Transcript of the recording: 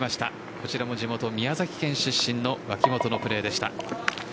こちらも地元・宮崎県出身の脇元のプレーでした。